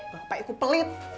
bapak itu pelit